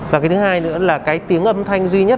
và cái thứ hai nữa là cái tiếng âm thanh duy nhất